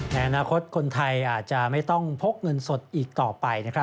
ในอนาคตคนไทยอาจจะไม่ต้องพกเงินสดอีกต่อไป